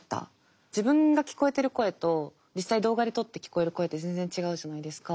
自分が聞こえてる声と実際動画で撮って聞こえる声って全然違うじゃないですか。